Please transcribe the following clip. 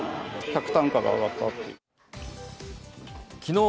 客単価が上がったっていう。